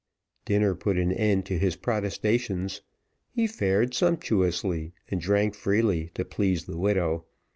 Dinner put an end to his protestations. He fared sumptuously, and drank freely to please the widow.